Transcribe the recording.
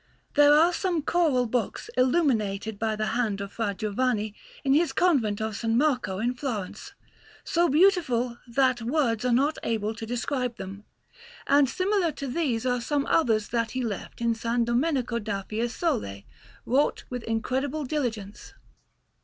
There are some choral books illuminated by the hand of Fra Giovanni in his Convent of S. Marco in Florence, so beautiful that words are not able to describe them; and similar to these are some others that he left in S. Domenico da Fiesole, wrought with incredible diligence.